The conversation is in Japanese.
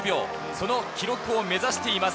その記録を目指しています。